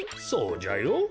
そうじゃよ。